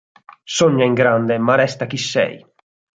Sogna in grande ma resta chi sei!